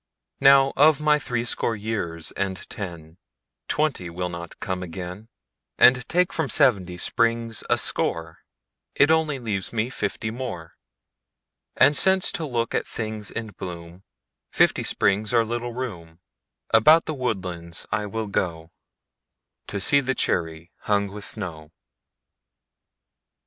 Now, of my threescore years and ten, Twenty will not come again, And take from seventy springs a score, It only leaves me fifty more. And since to look at things in bloomFifty springs are little room, About the woodlands I will goTo see the cherry hung with snow.